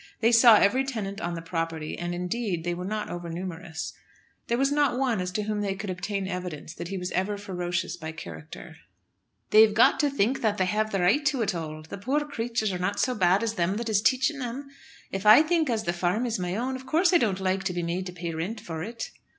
They saw every tenant on the property; and, indeed, they were not over numerous. There was not one as to whom they could obtain evidence that he was ever ferocious by character. "They've got to think that they have the right to it all. The poor creatures are not so bad as them that is teaching them. If I think as the farm is my own, of course I don't like to be made to pay rent for it."